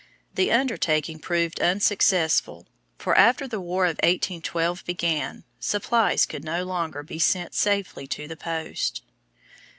The undertaking proved unsuccessful, for after the War of 1812 began supplies could no longer be sent safely to the post.